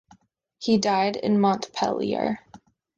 He died in Montpellier.